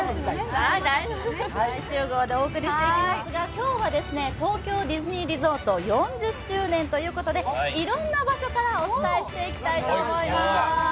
今日は東京ディズニーリゾート４０周年ということでいろんな場所からお伝えしていきたいと思います。